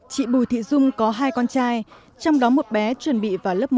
chị bùi thị dung có hai con trai trong đó một bé chuẩn bị vào lớp một